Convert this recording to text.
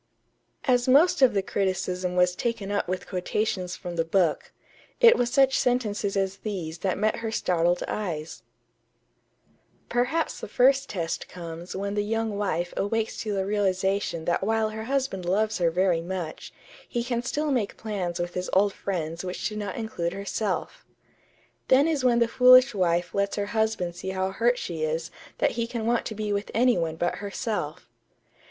As the most of the criticism was taken up with quotations from the book, it was such sentences as these that met her startled eyes: "Perhaps the first test comes when the young wife awakes to the realization that while her husband loves her very much, he can still make plans with his old friends which do not include herself.... Then is when the foolish wife lets her husband see how hurt she is that he can want to be with any one but herself....